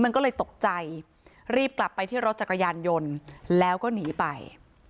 มันก็เลยตกใจรีบกลับไปที่รถจักรยานยนต์แล้วก็หนีไป